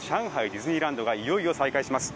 ディズニーランドがいよいよ再開します。